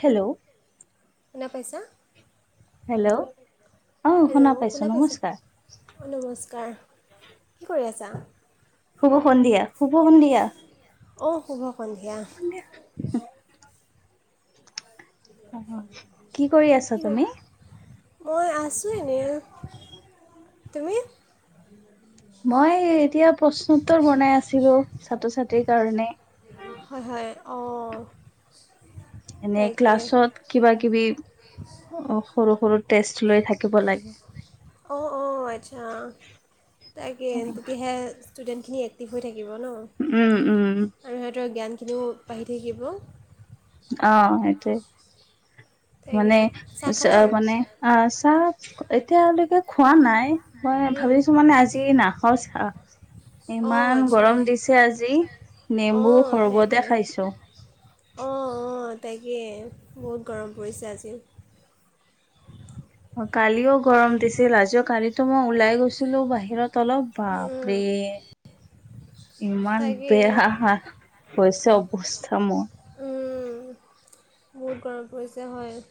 Hello শুনা পাইছা? Hello অ হেল্ল' পাইছো শুনা পাইছোঁ নমস্কাৰ অঁ নমস্কাৰ কি কৰি আছা? শুব সন্ধিয়া শুব সন্ধিয়া অঁ শুভ সন্ধিয়া অ কি কৰি আছা তুমি? মই আছোঁ এনেই তুমি? মই এতিয়া প্ৰশ্নোত্তৰ বনাই আছিলো ছাত্ৰ ছাত্ৰীৰ কাৰণে। হয় হয় অঁ এনে তাকে ক্লাছত কিবা কিবি অ সৰু সৰু টেষ্ট লৈ থাকিব লাগে অঁ অঁ আচ্ছা তাকে তেতিয়াহে ষ্টুডেণ্টখিনি এক্টিভ হৈ থাকিব ন? উম উম আৰু সিহঁতৰ জ্ঞানখিনিও বাঢ়ি থাকিব। অ সেইটোৱে, তাকে মানে চাহ খালা অঁ মানে আহ চাহ। এতিয়ালৈকে খোৱা নাই, মই ভাবিছো মানে আজি নাখাওঁ চাহ। ইমান আচ্ছা গৰম দিছে আজি নেম্বু অঁ সৰ্বতে সেইটোৱে খাইছো। অঁ। অঁ তাকেই বহুত গৰম পৰিছে আজি।। কালিও গৰম দিছিল, আজিও কালিটো মই ওলাই গৈছিলো বাহিৰত। তলপ বাপৰে ইমান তাকে বেয়া হৈছে। অৱস্থা মই। বহুত গৰম পৰিছে হয়।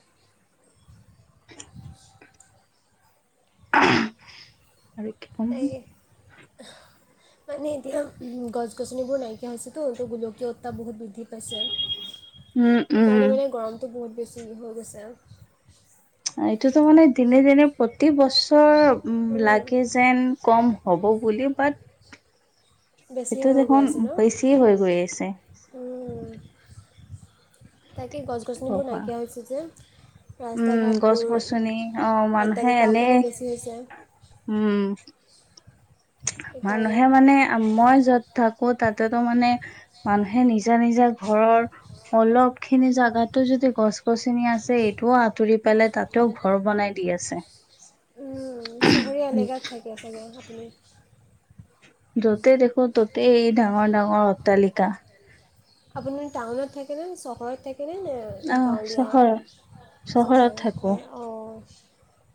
আৰু কি কম। তাকে মানে এতিয়া গছ গছনিবোৰ নাইকিয়া হৈছেতো ত, গোলকীয় উত্তাপ বহুত বি। বৃদ্ধি পাইছে, উম উম সেইকাৰণে মানে গৰমটো বহুত বেছি হৈ গৈছে। এইটোতো মানে দিনে দিনে প্ৰতি বছৰ উম লাগে যেন কম। হ'ব বুলিও বাট। বেছি সেইটো হৈ গৈ দেখোন আছে ন বেছিয়ে হৈ গৈ আছে। উম, তাকে গছ গছনিবোৰ কবা নাইকিয়া হৈছে যে। ৰাস্তা উম গছ গছনি অ ঘাটবোৰ মানুহে এনে অট্টালিকাসমূহ বেছি হৈছে। উম। সেইকাৰণে মানুহে মানে মই য'ত থাকো তাতত। মানে মানুহে নিজা নিজা ঘৰৰ অলপ খিনি জাগাতো যদি গছ। চিনি আছে এইটোও আঁতৰি পেলাই তাতেও ঘৰ বনাই দি আছে। চহৰীয়া এলেকাত থাকে চাগে আপুনি। য'তে দেখো ততেই এই ডাঙৰ ডাঙৰ অট্টালিকা। আপোনাৰ টাউনত থাকে নে চহৰত থাকে? নে আহ চহৰ গাঁৱলীয়া চহৰত চহৰে থাকো হয় অ।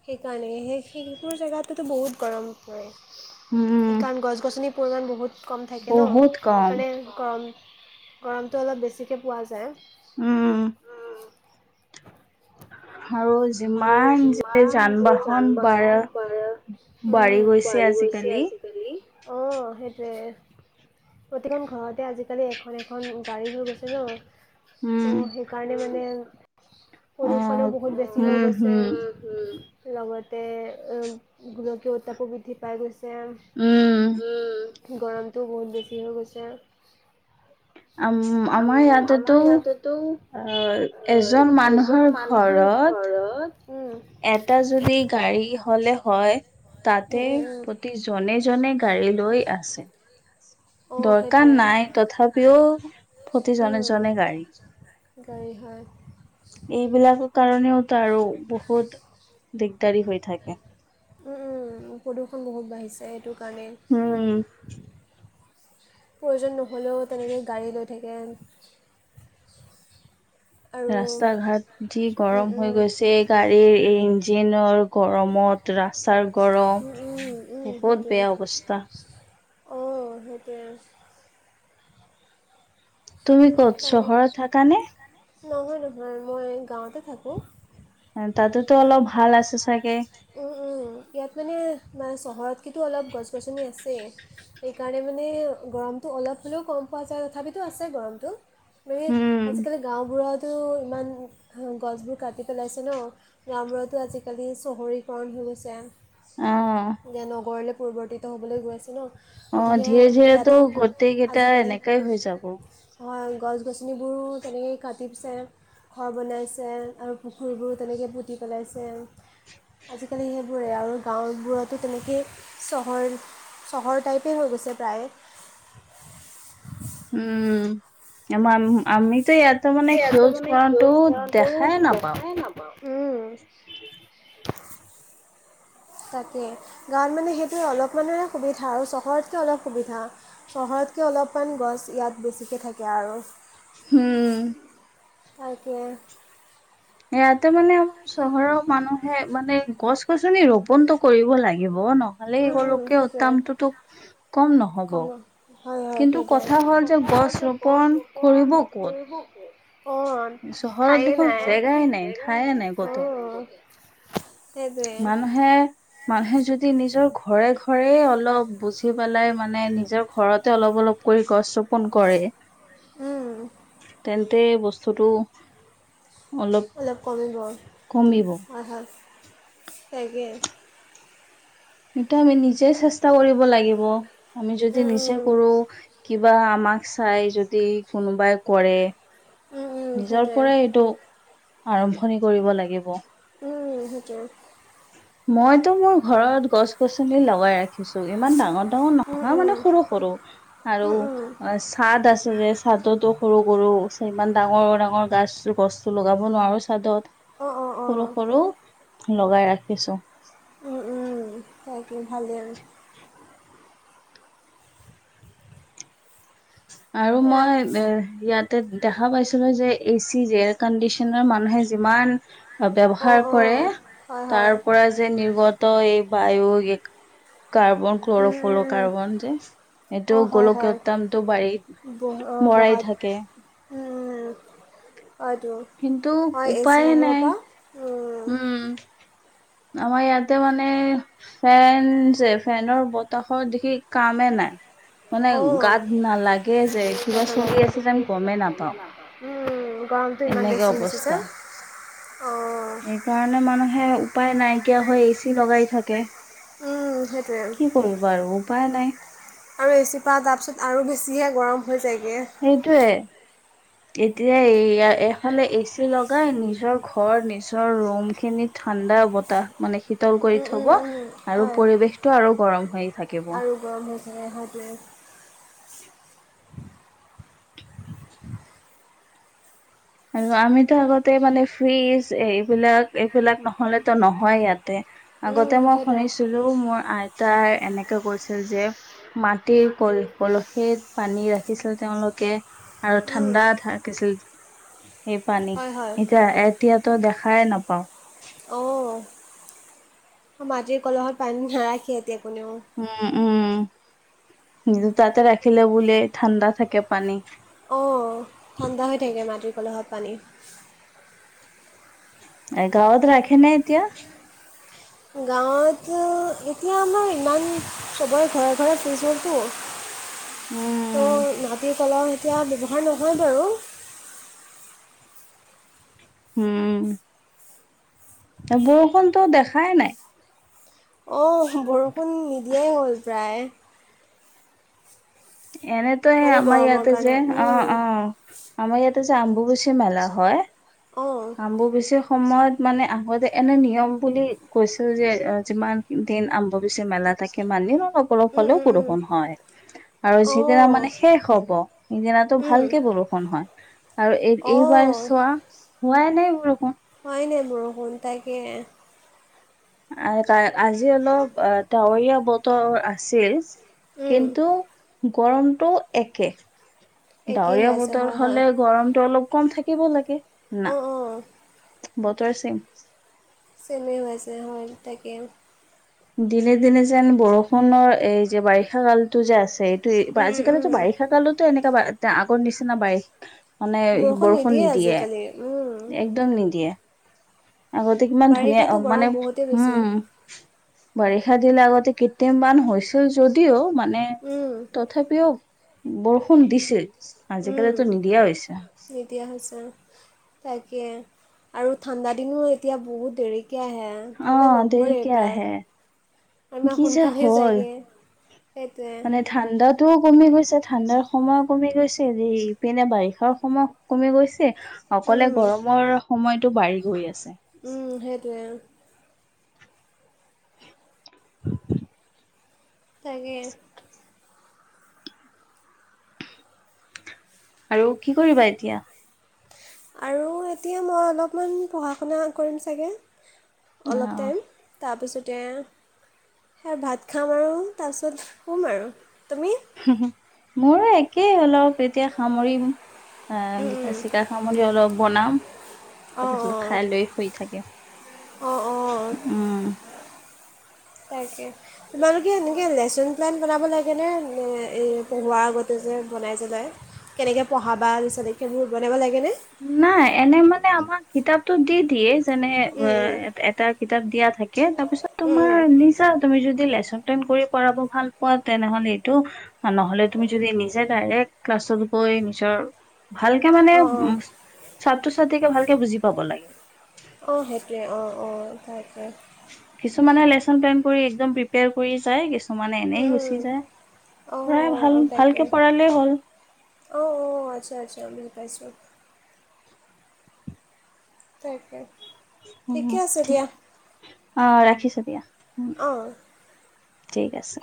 সেইকাৰণে সেই সেইবোৰ জেগাতেতো বহুত গৰম পৰে। উম কাৰণ গছ গছনিৰ পৰিমাণ বহুত কম থাকে ন, বহুত কম। সেইকাৰণে গৰম। গৰমটো অলপ বেছিকে পোৱা যায়। উম। আৰু আৰু যিমান যে যিমান যান যে যান বাহন বাঢ়া বাহন বা উ বাঢ়ি গৈছে বাঢ়ি গৈ। আজিকালি অ সেইটোৱে। প্ৰতিখন ঘৰতে আজিকালি এখন এখন গাড়ী হৈ গৈছে ন। উম ত' সেইকাৰণে মানে অ প্ৰদূষণো বহুত বেছি হৈ উম গৈছে। হম লগতে অ গোলকীয় উত্তাপো বৃদ্ধি পাই গৈছে। উম গৰমটো বহুত বেছি হৈ গৈছে। [inaudible] আম আম আমাৰ আমাৰ ইয়াতেতো ইয়াতেতো আ অ এজন এজন মানুহৰ মানুহৰ ঘৰত। উম, এটা যদি গাড়ী হলে হয় তাতে উম, উম, উম, প্ৰতিজনে। জনে গাড়ী লৈ আছে। অ দৰকাৰ সেইটোৱে নাই তথাপিও উম। প্ৰতিজনেজনে গাড়ী। গাড়ী হয়। এইবিলাকৰ কাৰণেওতো আৰু বহুত দিগদাৰি হৈ থাকে। প্ৰদূষণ বহুত বাঢ়িছে সেইটো কাৰণে। উম প্ৰয়োজন নহ'লেও তেনেকৈ গাড়ী লৈ থাকে। আৰু ৰাস্তা ঘাট যি উম, গৰম হৈ উম, গৈছে গাড়ীৰ এই ইঞ্জিনৰ গৰমত। ৰাস্তাৰ গৰম উম, উম, উম, বহুত সেইটোৱে। বেয়া অৱস্থা। অ সেইটোৱে। তুমি ক'ত চহৰত থাকানে? নহয় নহয় মই গাঁৱতে থাকোঁ' তাতেতো অলপ ভাল আছে চাগে। চহৰত কেতো অলপ গছ গছনি আছেই সেইকাৰণে মানে গৰমটো অলপ হ'লেও কম। পোৱা যায় তথাপিতো আছে গৰমটো মানে উম। আজিকালি গাঁওবোৰত। তো ইমান গছবোৰ কাটি পেলাইছে ন আজিকালি চহৰিকৰণ হৈ গৈছে অ', এতিয়া নগৰলে। পৰিৱৰ্তিত হ'বলৈ গৈ আছে ন। অ গতিকে ধীৰে ধীৰেতো ইয়াতো গোটেই কেইটা আজিকালি এনেকাই হৈ যাব। হয় গছ গছনিবোৰো তেনেকেই কাটিছে। ঘৰ বনাইছে আৰু পুখুৰীবোৰ তেনেকৈ পুতি পেলাইছে। আজিকালি সেইবোৰে আৰু গাঁওবোৰতো তেনেকেই চহৰ। চহৰ টাইপেই হৈ গৈছে প্ৰায়ে। উম আমাৰ আমি। ইয়াতে মানে ইয়াতে সেউজ মানে সেউজ কৰাটো বনটো দেখাই নাপাওঁ। [inaudible] দেখাই তাকে গাঁৱত মানে সেইটোৱে অলপমানৰে সুবিধা আৰু চহৰতকৈ অলপ সুবিধা চহৰত। তাতকে অলপমান গছ ইয়াত বেছিকে থাকে আৰু। উম। তাকে ইয়াতে মানে আমাৰ চহৰৰ মানুহে মানে গছ গছনি ৰোপনটো কৰিব লাগিব ন। নহলে এলোকে সেইটোৱে উ্তামটোতো কম নহব কিন্তু কথা হ'ল যে। গছ ৰোপণ কৰিব ক'ত? অ চহৰত ঠায়ে দেখোন নাই চহৰত জেগাই দেখোন নাই জেগাই ঠায়ে নাই কতো ঠায়ে নাই জেগা সেইটোৱে মানুহে মানুহে যদি নিজৰ ঘৰে ঘৰে অলপ বুজি পেলাই মানে নিজৰ ঘৰতে অলপ অলপ কৰি গছ ৰোপন কৰে। উম, তেন্তে বস্তুটো অলপ কমিব কমিব অহ তাকেই। সেইটো আমি নিজে চেষ্টা কৰিব লাগিব আমি যদি নিজে উম, কৰো। কিবা আমাক চাই যদি কোনোবাই কৰে। উম, উম, উম, নিজৰ সেইটোৱে পৰাই এইটো আৰম্ভণি কৰিব লাগিব। উম সেইটোৱে। মইটো মোৰ ঘৰত গছ গছনি লগাই ৰাখিছো। ইমান ডাঙৰ এও উম, নহয় মানে উম, সৰু সৰু আৰু উম, উম, অ চাদ আছে যে। ছাদতো সৰু সৰু ইমান ডাঙৰ ডাঙৰ গছ গছটো লগাব নোৱাৰোঁ ছাদত। অঁ অঁ অঁ সৰু সৰু লগাই ৰাখিছো। উম উম সেইক ভালে আৰু। আৰু সেয়া মই এ ইয়াত ত দেখা পাইছিলো যে এচি এয়াৰ কণ্ডিশনৰ মানুহে যিমান অঁ ব্যৱহাৰ কৰে অঁ হয় হয় তাৰ পৰা যে নিৰ্গত এই বায়ু কাৰ্বন উম, ক্লৰফল' উম, উম, কাৰ্বন যে এইটো অঁ হয় হয় গোলকীয়ত্তম বাৰী বহ অঁ মৰাই বহাত থাকে। উম, উম, হয়তো কিন্তু হয় এ চি উপায়ে ৰুমৰ নাই পৰা উম। আমাৰ ইয়াতে মানে ফেন যে ফেনৰ বতাহৰ দেখি কামে নাই। মানে অঁ গাত নালাগে যে কিবা তাতে চলি লাগে। আছে যেন গমেই নাপাওঁ। গৰমটো ইমান বেছি হৈ হৈছে যে অঁ এইকাৰণে মানুহে উপায় নাইকিয়া হৈ এচি লগাই থাকে। উম সেইটোৱে আৰু কি কৰিব আৰু উপায় নাই আৰু এচিপা তাৰ পিছত আৰু বছি। বেছিহে গৰম হৈ যায়গে। সেইটোয়ে এতিয়া এই এইফালে এ চি লগাই নিজৰ ঘৰ নিজৰ ৰুম খিনি থ ঠাণ্ডা অ বতাহ মানে শীতল কৰি উম, থব উম, উম, আৰু হয় পৰিবেশটো আৰু গৰম হয়। আৰু গৰম হয় থাকে সেইটোৱে [unintelligible] আৰু আমিতো আগতে মানে ফ্ৰিজ এইবিলাক এইবিলাক নহলেতো নহয় ইয়াতে আগতে উম, মই সেইটোৱে। শুনিছিলো মোৰ আই তাই এনেকে কৈছিল যে মাটিৰ কল কলসিত পানী ৰাখিছিল তেওঁলোকে। আৰু উম, ঠাণ্ডা থাকিছিল। সেই পানী হয়, হয়। এতিয়া এতিয়াতো দেখাই নাপাও। অ' মাটিৰ কলহত পানী নাৰাখে এতিয়া। কোনেও। উম, উম। তাতে ৰাখিলে বোলে ঠাণ্ডা থাকে পানী। কলহৰ পানী গাঁৱত ৰাখে নে এতিয়া। গাঁৱত এতিয়া আমাৰ ইমান সবৰে ঘৰে ঘৰে ফ্ৰীজ হলটো ত উম মাটিৰ কলহ এতিয়া ব্যৱহাৰ নহয় বাৰু। উম বৰষুণতো দেখাই নাই। অঁ বৰষুণ নিদিয়াই হ'ল প্ৰায়। এনে ত এ মানে আমাৰ গৰমৰ ইয়াতে যে কাৰণে। অ উম। অ আমাৰ ইয়াতে অম্বু বাসি মেলা হয়। অ', উম, অম্বু বাসি সময়ত মানে আগতে এনে নিয়ম বুলি কৈছো যে যিমান দিন আৰম্ভ হৈছে মেলা তাকে মানি অলপ উম, হলেও বৰষুণ হয়। আৰু যিদিনা উম, অ', মানে শেষ হব সিদিনাটো উম, ভালকে বৰষুণ হয়। আৰু এই এইবাৰ অ', চোৱা হোৱাই নাই বৰষুণ। হোৱাই নাই বৰষুণ তাকে। আজি অলপ ডাৱৰীয়া বতৰ আছিল। উম, কিন্তু গৰমটো একে একেই হৈ ডাৱৰীয়া আছে বতৰ হয়, হয়, হলে গৰমটো অলপ কম থাকিব লাগে। না অঁ অঁ বতৰ চেইম চেমেই হয় তাকে দিনে দিনে যেন বৰষুণৰ এই যে বাৰিষা কালতটো যে আছে উম, উম, আজিকালিতো উম, বাৰিষা কালতো এনেকা আগৰ নিচিনা বাৰিষা মানে বৰষুণ নিদিয়ে একদম নিদিয়ে। আগতে কিমান ধুনীয়া বাৰিষাতো গৰম মানে বহুতেই বেছি উম বাৰিষা দিলে আগতে কৃত্ৰিম বান হৈছিল যদিও মানে উম, তথাপিও বৰষুণ ষুন দিছে। উম, আজিকালি তো নিদিয়া হৈছে। নিদিয়া হৈছে। তাকে। আৰু ঠাণ্ডাদিনো এতিয়া বহুত দেৰিকে আহে ঠাণ্ডা অ', নপৰে দেৰিকে প্ৰায়। আহে আৰু ইমান কি যে সোনকালে হ'ল যায়গৈ সেইটোৱে। টো কমি গৈছে ঠাণ্ডাৰ সময় কমি গৈছে ইপিনে বাৰিষাৰ সময় কমি গৈছে। অকলে উম। গৰমৰ সময়তো বাঢ়ি গৈ আছে। উম সেইটোৱে তাকে আৰু কি কৰিবা এতিয়া আৰু এতিয়া মই অলপমান পঢ়া শুনা কৰিম চাগে অলপ অ'। টাইম তাৰপিছত তে সে ভাত খাম আৰু তাৰপিছত শুম আৰু তুমি? মোৰো একেই অলপ এতিয়া সামৰিম। অ উম, লিখা উম, শিকা সামৰি অলপ বনাম। অঁ, তাৰপিছত অঁ, খাই লৈ শুই থাকিম। অঁ, অঁ, উম তাকে তোমালোকে এনেকে লেচন প্লেন বনাব লাগে নে পঢ়োৱাৰ আগত যে বনাই যে যায় কেনেকে পঢ়াবা পিছত সেইবোৰ বনাব লাগেনে? নাই এনে মানে আমাক কিতাপটো দি দিয়ে। যেনে উম, উম, এটা কিতাপ দিয়া থাকে তাৰ পিছত উম, তোমাৰ উম, নিজা তুমি যদি লেচন প্লেন কৰি কৰাব ভাল পোৱা তেনেহলে এইটো নহলে তুমি যদি নিজে ডাৰেক ক্লাছত গৈ নিজৰ ভালকে মানে অঁ, অঁ, ছাত্ৰ ছাত্ৰীকে ভালকে বুজি পাব লাগে। অ সেইটোৱে অ অ তাকে। কিছুমানে লেচন প্লেন কৰি এক্দম প্ৰিপেয়াৰ কৰি যায়‌ কিছু মানে উম, এনেই গুচি উম। যায়। অঁ পঢ়াই ভাল ভালকে পঢ়ালেই হ'ল। অ অ আচ্ছা আচ্ছা বুজি পাইছো। তাকেই উ ঠিক অ ৰাখিছো দিয়া। উম, অহ। ঠিক আছে।